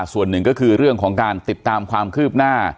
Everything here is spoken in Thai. ส่วนหนึ่งก็คือเรื่องของการติดตามความคืบหน้า